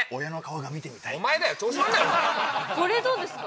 これどうですか？